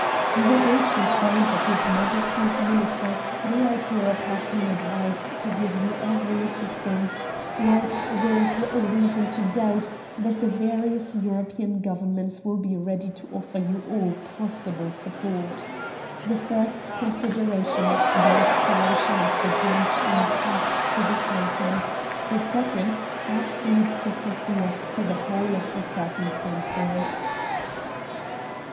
You will also find that his Majesty's Ministers throughout Europe have been advised to give you every assistance, whilst there is little reason to doubt that the various European Governments will be ready to offer you all possible support. The first consideration is the restoration of the gems intact to the Sultan; the second, absolute secrecy as to the whole of the circumstances."